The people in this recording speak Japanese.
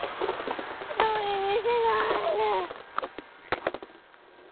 １人にしないで。